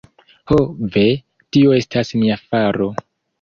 Ho ve, tio estas mia faro!